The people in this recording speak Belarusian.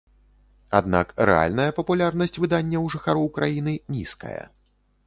Аднак рэальная папулярнасць выдання ў жыхароў краіны нізкая.